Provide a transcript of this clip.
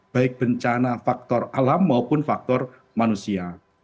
baik bencana faktor alam maupun faktor manusia